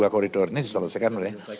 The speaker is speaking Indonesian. koridor ini diselesaikan oleh